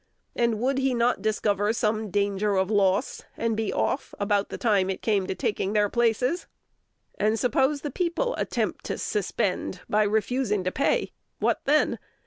And would he not discover some 'danger of loss,' and be off, about the time it came to taking their places? "And suppose the people attempt to suspend, by refusing to pay, what then?